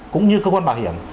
cũng như cơ quan bảo hiểm